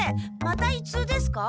またいつうですか？